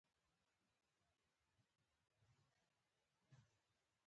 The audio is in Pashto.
دا په دیارلس سوه شپږ څلوېښت کال کې طاعون خپور شوی و.